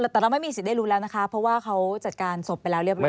แต่เราไม่มีสิทธิ์ได้รู้แล้วนะคะเพราะว่าเขาจัดการศพไปแล้วเรียบร้อ